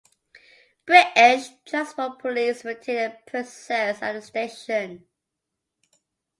British Transport Police maintain a presence at the station.